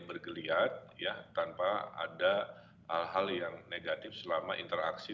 bergeliat ya tanpa ada hal hal yang negatif selama interaksi